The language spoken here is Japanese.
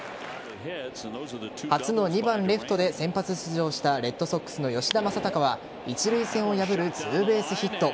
初の２番・レフトで先発出場したレッドソックスの吉田正尚は一塁線を破るツーベースヒット。